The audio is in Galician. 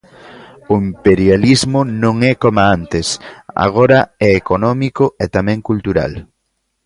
O imperialismo non é coma antes: agora é económico e tamén cultural.